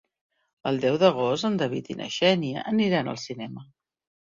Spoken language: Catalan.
El deu d'agost en David i na Xènia aniran al cinema.